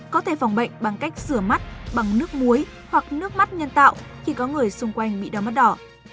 có thể phòng bệnh bằng cách rửa mắt bằng nước muối hoặc nước mắt nhân tạo khi có người xung quanh bị đau mắt đỏ